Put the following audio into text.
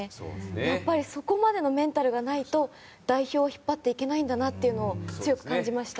やっぱりそこまでのメンタルがないと代表を引っ張っていけないんだなと強く感じました。